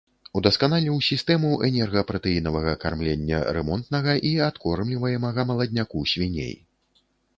Удасканаліў сістэму энерга-пратэінавага кармлення рэмонтнага і адкормліваемага маладняку свіней.